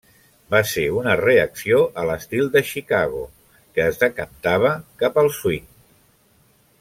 Va ser una reacció a l'estil de Chicago que es decantava cap al swing.